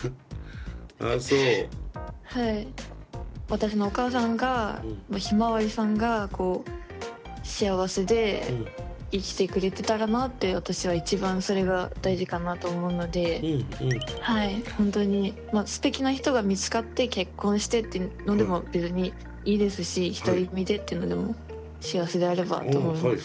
私のお母さんがひまわりさんが幸せで生きてくれてたらなって私は一番それが大事かなと思うのでほんとにすてきな人が見つかって結婚してってのでも別にいいですし独り身でっていうのでも幸せであればと思います。